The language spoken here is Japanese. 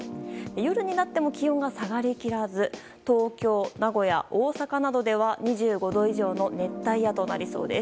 夜になっても気温が下がりきらず東京、名古屋、大阪などでは２５度以上の熱帯夜となりそうです。